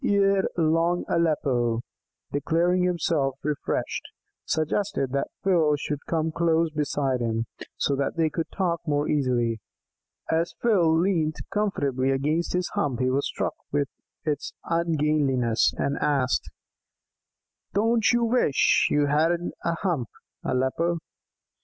Ere long Aleppo, declaring himself refreshed, suggested that Phil should come close beside him, so that they could talk more easily. As Phil leant comfortably against his hump he was struck with its ungainliness, and asked: "Don't you wish you hadn't a hump, Aleppo?"